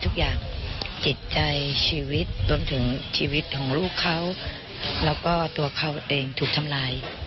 เขาเองถูกทำลาย